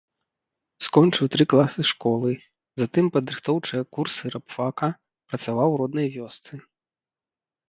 Скончыў тры класы школы, затым падрыхтоўчыя курсы рабфака, працаваў у роднай вёсцы.